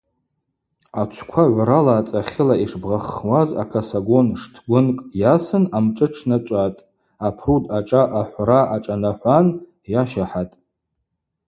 Ачвква гӏврала ацӏахьыла йшбгъаххуаз акосогон штгвынкӏ йасын амшӏы шӏначӏватӏ, апруд ашӏа ахӏвра ашӏанахӏван йащахӏатӏ.